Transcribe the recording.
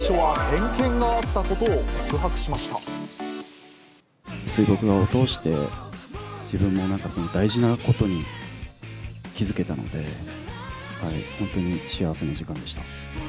最初は、偏見があったことを水墨画を通して、自分も大事なことに気付けたので、本当に幸せな時間でした。